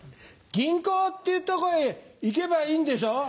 銀行っていうとこに行けばいいんでしょ？